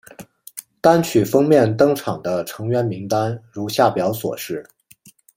单曲封面登场的成员名单如下表所示。